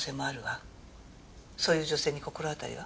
そういう女性に心当たりは？